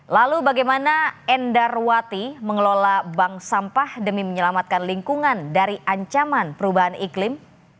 lalu bagaimana endarwati mengelola bank sampah demi menyelamatkan lingkungan dari ancaman perubahan iklim